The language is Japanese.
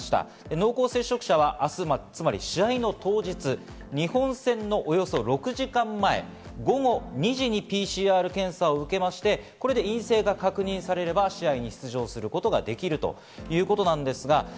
濃厚接触者は明日、試合の当日、日本戦のおよそ６時間前、午後２時にＰＣＲ検査を受けまして、これで陰性が確認されれば試合に出場することができるということです。